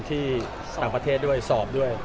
ที่ต่างประเทศด้วยสอบด้วย